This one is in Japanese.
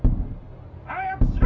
・早くしろ！